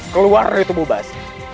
keluar dari tubuh basi